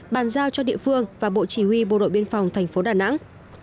bàn giao cho địa phương và bộ chỉ huy bộ đội biên phòng thành phố đà nẵng